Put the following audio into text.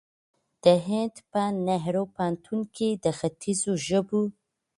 د هند په نهرو پوهنتون کې د خیتځو ژبو